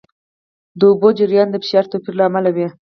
د اوبو جریان د فشار توپیر له امله وي.